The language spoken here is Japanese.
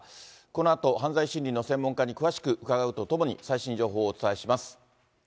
このあと犯罪心理の専門家に詳しく伺うとともに、最新情報をお伝えします。